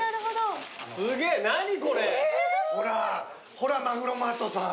ほらマグロマートさん。